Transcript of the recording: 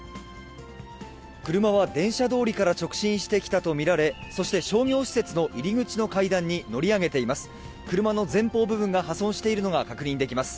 車は電車通りから直進してきたと見られ、そして商業施設の入り口の階段に乗り上げています。